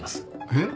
えっ？